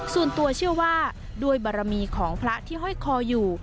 ส่วนตัวเชื่อว่าด้วยบารมีของพระที่ห้อยคออยู่